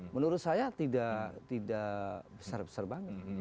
menurut saya tidak besar besar banget